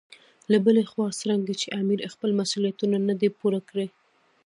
له بلې خوا څرنګه چې امیر خپل مسولیتونه نه دي پوره کړي.